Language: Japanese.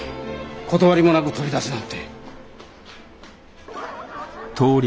断りもなく飛び出すなんて。